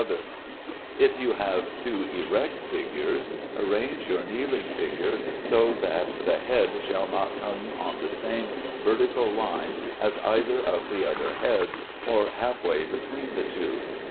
If you have two erect figures, arrange your kneeling figure so that the head shall not come on the same vertical line as either of the other heads, or half way between the two.